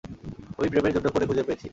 আমি প্রেমের জন্য কনে খুঁজে পেয়েছি।